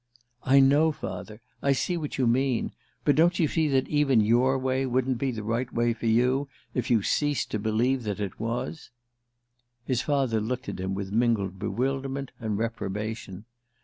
"I know, father; I see what you mean. But don't you see that even your way wouldn't be the right way for you if you ceased to believe that it was?" His father looked at him with mingled bewilderment and reprobation.